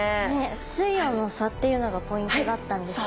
水温の差っていうのがポイントだったんですね。